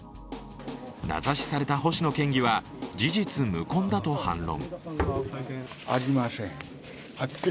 名指しされた星野県議は事実無根だと反論。